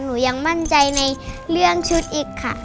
หนูยังมั่นใจในเรื่องชุดอีกค่ะ